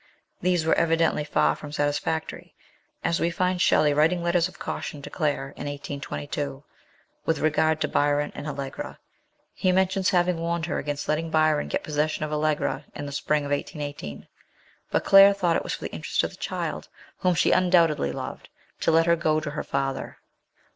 These were evidently far from satisfactory, as we find Shelley writing letters of caution to Claire in 1822, with regard to Byron and Allegra : he mentions having warned her against letting Byron get possession 128 MRS. SHELLEY. of Allegra in the spring of 1818, but Claire thought it for the interest of the child, whom she undoubtedly loved, to let her go to her father.